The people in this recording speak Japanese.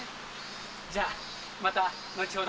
じゃあまた後ほど。